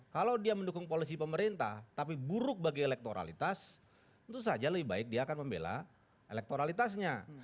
kalau dia mendukung polisi pemerintah tapi buruk bagi elektoralitas tentu saja lebih baik dia akan membela elektoralitasnya